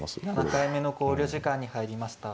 ７回目の考慮時間に入りました。